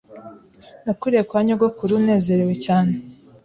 Nakuriye kwa nyogokuru nezerewe cyane